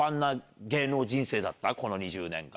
この２０年間。